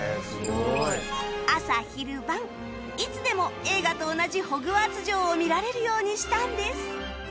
朝昼晩いつでも映画と同じホグワーツ城を見られるようにしたんです！